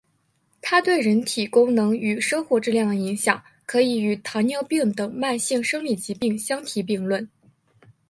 它对人体功能与生活质量的影响可以与糖尿病等慢性生理疾病相提并论。